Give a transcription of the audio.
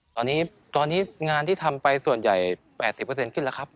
ตอนนี้งานที่ทำไปส่วนใหญ่๘๐ขึ้นแล้วครับ